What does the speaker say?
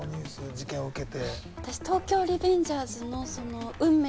事件を受けて。